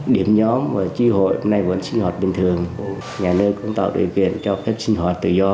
điểm nhóm và tri hội hôm nay vẫn sinh hoạt bình thường nhà nơi cũng tạo điều kiện cho các sinh hoạt tự do